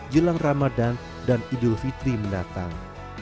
jelang ramadan dan idul fitri mendatang